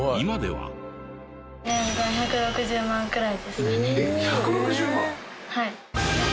はい。